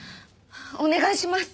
お願いします！